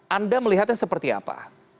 anda melihatnya seperti apa